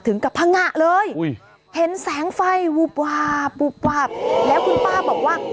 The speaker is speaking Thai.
ถึงกับพังงะเลยเห็นแสงไฟวูบวาบวาบแล้วคุณป้าบอกว่า